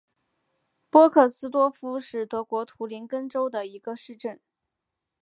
波克斯多夫是德国图林根州的一个市镇。